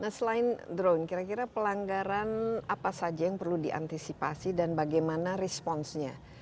nah selain drone kira kira pelanggaran apa saja yang perlu diantisipasi dan bagaimana responsnya